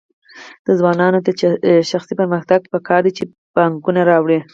د ځوانانو د شخصي پرمختګ لپاره پکار ده چې پانګونه راوړي.